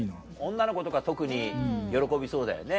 女の子とか特に喜びそうだよね。